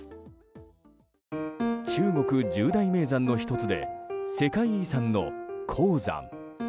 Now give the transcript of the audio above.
中国十大名山の１つで世界遺産の黄山。